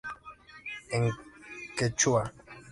En quechua.